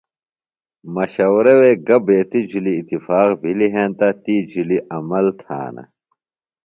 مشورہ وے گہ بیتیۡ جُھلیۡ اتفاق بِھلیۡ ہینتہ تی جُھلیۡ عمل تھانہ۔